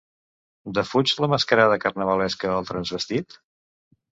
¿Defuig la mascarada carnavalesca, el transvestit?